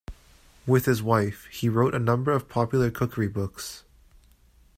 With his wife, he wrote a number of popular cookery books.